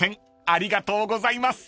ありがとうございます。